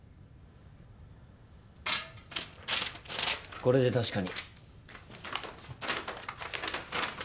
これで確かに。